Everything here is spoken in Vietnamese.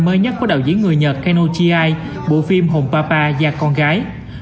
mới nhất của đạo diễn người nhật keno chiai bộ phim hồng papa và con gái